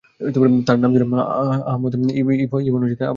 তার নাম ছিল আহমদ ইবন আবু তালিব।